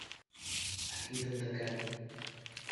Akito Takagi